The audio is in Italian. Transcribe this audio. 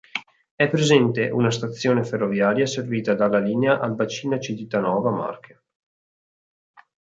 È presente una stazione ferroviaria servita dalla linea Albacina-Civitanova Marche.